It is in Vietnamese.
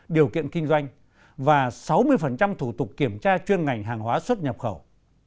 điều kiện kinh doanh và sáu mươi thủ tục kiểm tra chuyên ngành hàng hóa xuất nhập khẩu